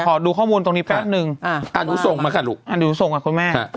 ก็อยากขอดูข้อมูลตรงนี้แป๊บนึงดูนุ้นทรงกันคุณแม่